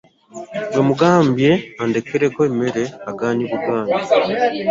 Bwe mmugambye andekereko emmere agaanyi bugaanyi.